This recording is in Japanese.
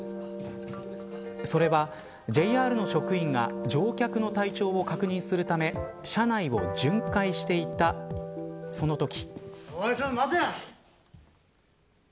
それは、ＪＲの職員が乗客の体調を確認するため車内を巡回していたそのとき。